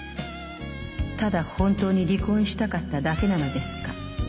ただ本当に離婚したかっただけなのですか？